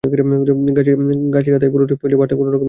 গাছিরা তাই দুপুরের ভাতটা কোনো রকমে নাকেমুখে গুঁজে বেরিয়ে পড়েন মাঠে।